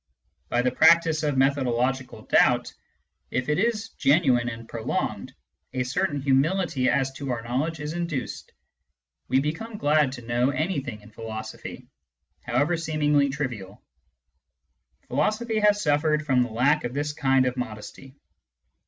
By the practice of methodological doubt, if it is genuine and prolonged, a certain humility as to our knowledge is induced : we become glad to know anything in philosophy, however seemingly trivial. Philosophy has suffered from the lack of this kind of modesty.